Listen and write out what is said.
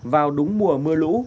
vào đúng mùa mưa lũ